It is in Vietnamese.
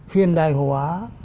hiền đại hóa